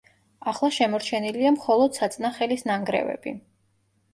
ახლა შემორჩენილია მხოლოდ საწნახელის ნანგრევები.